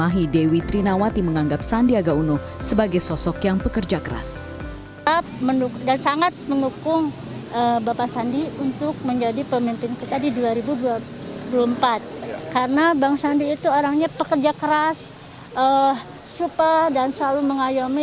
karena bang sandi itu orangnya pekerja keras super dan selalu mengayomi